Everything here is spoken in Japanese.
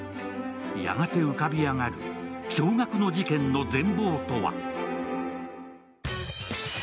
やがて浮かび上がる、驚がくの事件の全貌とは？